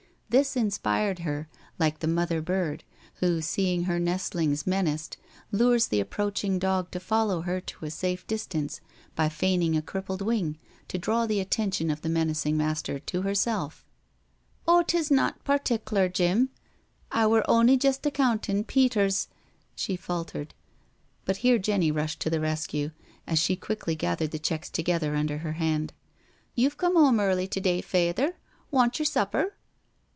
This inspired her, like the mother bird who, seeing her nestlings menaced, lures the approaching dog to follow her to a safe distance by feigning a crippled wing, to draw the attention of the menacing master to herself. " Oh, *tis naught particklar^ Jim ... I wur on*y jest a countin* Peter's •..*' she faltered. But here Jenny rushed to the rescue, as she quickly gathered the checks together under her hand. •* You've come home early to day, Fay ther— want yer supper?"